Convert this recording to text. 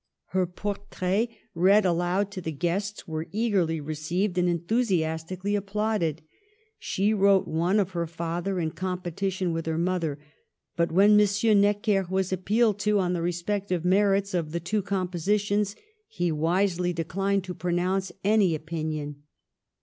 Her portraits read aloud to the guests, were eagerly received and enthusiastically applauded. She wrote one of her father, in competition with her mother; but when Monsieur Necker was appealed to on the respective merits of the two compositions, he wisely declined to pronounce any opinion.